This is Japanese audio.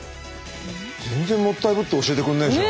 全然もったいぶって教えてくんねえじゃん。